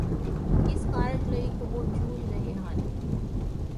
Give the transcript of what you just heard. ਇਸ ਕਾਰਜ ਲਈ ਉਹ ਜੂਝ ਰਹੇ ਹਨ